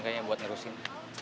kayaknya buat ngerusin